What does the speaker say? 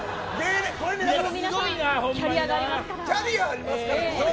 皆さんキャリアがありますから。